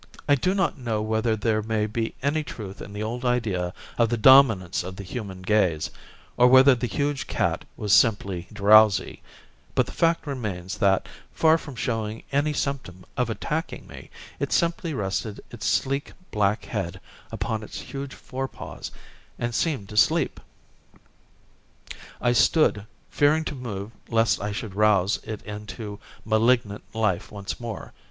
I do not know whether there may be any truth in the old idea of the dominance of the human gaze, or whether the huge cat was simply drowsy, but the fact remains that, far from showing any symptom of attacking me, it simply rested its sleek, black head upon its huge forepaws and seemed to sleep. I stood, fearing to move lest I should rouse it into malignant life once more.